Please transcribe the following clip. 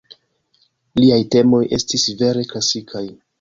Liaj temoj estis vere klasikaj.